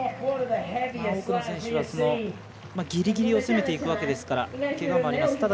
多くの選手がギリギリを攻めていくわけですがけがもあります。